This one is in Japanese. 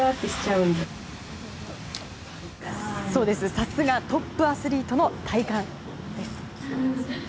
さすがトップアスリートの体幹です。